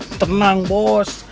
nih tenang bos